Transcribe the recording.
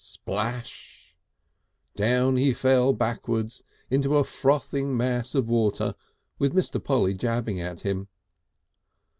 Splash! Down he fell backwards into a frothing mass of water with Mr. Polly jabbing at him.